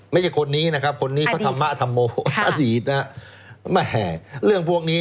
ไม่ใช่คนนี้นะครับคนนี้เขาธรรมะธรรโมอดีตนะฮะแม่เรื่องพวกนี้